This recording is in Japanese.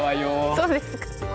そうですか？